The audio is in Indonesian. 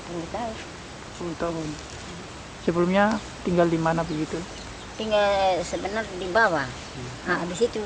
kali sudah dua puluh tahun dua puluh tahun sebelumnya tinggal di mana begitu tinggal sebenarnya dibawa habis itu